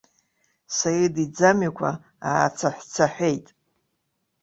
Саид иӡамҩақәа аацаҳәцаҳәеит.